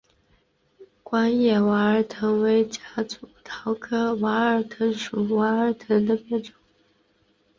光叶娃儿藤为夹竹桃科娃儿藤属娃儿藤的变种。